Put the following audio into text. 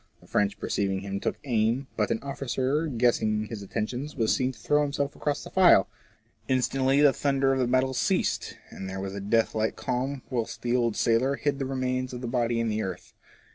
The French perceiving him took aim, but an officer guessing his intentions, was seen to throw himself across the file. Instantly the thunder of the battle ceased, and there was a death like calm whilst the old sailor hid the remains of lOi FORECASTLE TRAITS. the body in the earth.